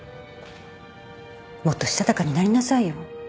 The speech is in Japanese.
もっとしたたかになりなさいよ。